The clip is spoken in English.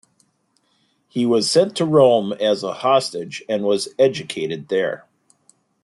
He was sent to Rome as a hostage and was educated there.